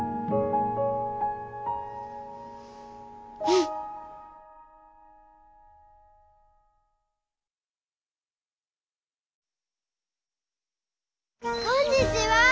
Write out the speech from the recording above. うん！こんにちは！